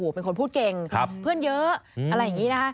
เป็นคนพูดเก่งเพื่อนเยอะอะไรอย่างนี้นะคะ